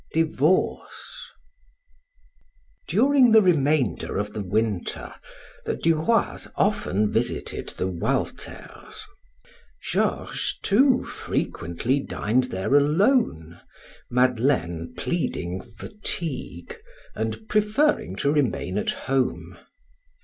DIVORCE During the remainder of the winter, the Du Roys often visited the Walters. Georges, too, frequently dined there alone, Madeleine pleading fatigue and preferring to remain at home.